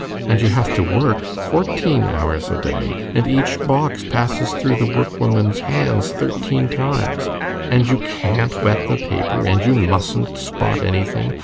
And you have to work fourteen hours a day! And each box passes through the workwoman's hands thirteen times! And you can't wet the paper! And you mustn't spot anything!